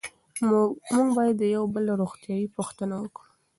موږ باید د یو بل روغتیایي پوښتنه وکړو.